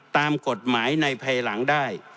ตามกฎหมายในภายหลังได้